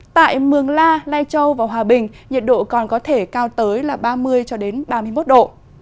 tại mường la lai châu và hòa bình nhiệt độ còn có thể cao tới ba mươi ba mươi một độ